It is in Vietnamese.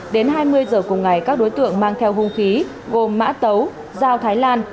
đến hai mươi giờ cùng ngày các đối tượng mang theo hung khí gồm mã tấu dao thái lan